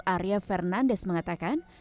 arya fernandes mengatakan